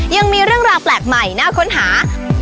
ยังมีเรื่องราวแปลกใหม่น่าค้นหา